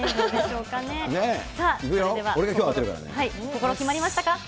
心、決まりましたか？